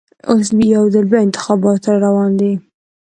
اوس یوځل بیا انتخابات راروان دي.